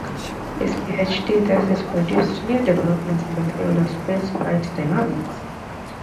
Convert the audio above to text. His PhD thesis produced new developments in the field of space flight dynamics.